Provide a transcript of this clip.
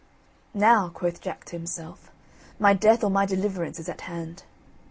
"Now," quoth Jack to himself, "my death or my deliverance is at hand."